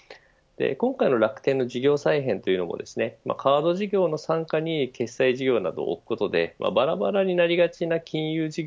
今回の楽天の事業再編というのもカード事業の傘下に決済事業などを置くことでバラバラになりがちな金融事業